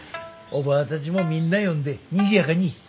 おばぁたちもみんな呼んでにぎやかに。